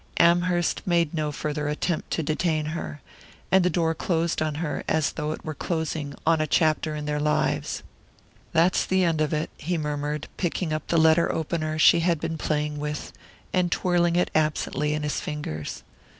Amherst made no farther attempt to detain her, and the door closed on her as though it were closing on a chapter in their lives. "That's the end of it!" he murmured, picking up the letter opener she had been playing with, and twirling it absently in his fingers.